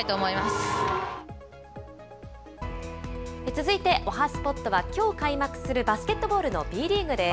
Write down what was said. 続いて、おはＳＰＯＴは、きょう開幕するバスケットボールのＢリーグです。